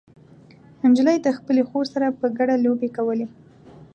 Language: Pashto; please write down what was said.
نجلۍ د خپلې خور سره په ګډه لوبې کولې.